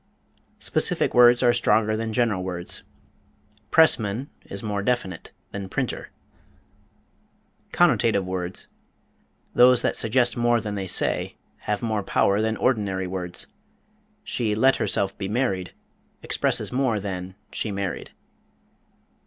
SPECIFIC words are stronger than general words pressman is more definite than printer. CONNOTATIVE words, those that suggest more than they say, have more power than ordinary words "She let herself be married" expresses more than "She married."